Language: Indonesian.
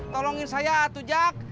tolongin saya atuh jak